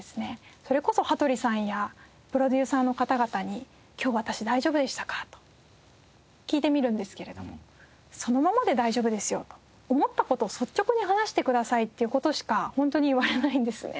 それこそ羽鳥さんやプロデューサーの方々に今日私大丈夫でしたか？と聞いてみるんですけれどもそのままで大丈夫ですよと思った事を率直に話してくださいっていう事しか本当に言われないんですね。